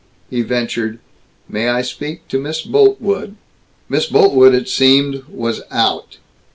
he ventured, "May I speak to Miss Boltwood?" Miss Boltwood, it seemed, was out.